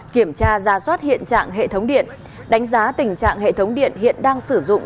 kiểm tra ra soát hiện trạng hệ thống điện đánh giá tình trạng hệ thống điện hiện đang sử dụng